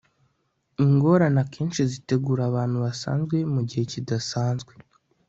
ingorane akenshi zitegura abantu basanzwe mugihe kidasanzwe